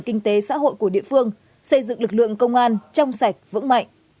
kinh tế xã hội của địa phương xây dựng lực lượng công an trong sạch vững mạnh